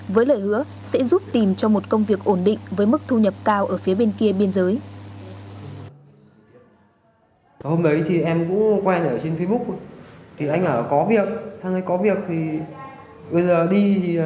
với lời hứa sẽ giúp tìm cho một công việc ổn định với mức thu nhập cao ở phía bên kia biên giới